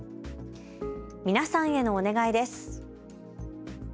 皆さんへのお願いです。